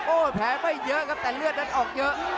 โอ้โหแผลไม่เยอะครับแต่เลือดนั้นออกเยอะ